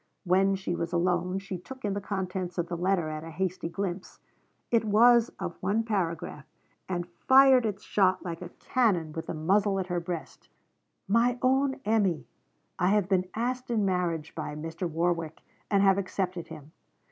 When she was alone she took in the contents of the letter at a hasty glimpse. It was of one paragraph, and fired its shot like a cannon with the muzzle at her breast: 'MY OWN EMMY, I have been asked in marriage by Mr. Warwick, and have accepted him.